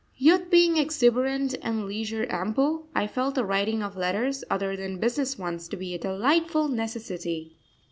Youth being exuberant and leisure ample, I felt the writing of letters other than business ones to be a delightful necessity.